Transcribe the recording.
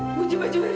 aduh tapi kok kebelet